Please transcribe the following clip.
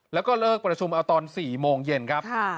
แล้วก็เลิกประชุมเอาตอน๔โมงเย็นครับ